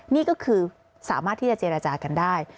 นี่ก็คือสามารถที่จะเจรจากันได้